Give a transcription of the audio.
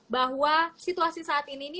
bahwa situasi saat ini